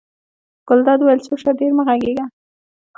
ګلداد وویل چپ شه ډېره مه غږېږه.